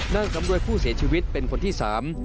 นางสำรวยผู้เสียชีวิตเป็นคนที่สาม